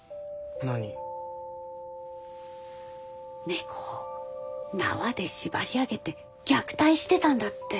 猫を縄で縛り上げて虐待してたんだって。